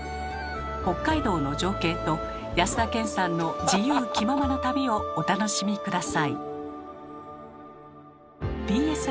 北海道の情景と安田顕さんの自由気ままな旅をお楽しみ下さい。